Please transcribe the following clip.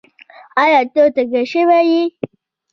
ایا؛ ته تږی شوی یې؟